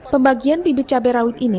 pembagian bibit cabai rawit ini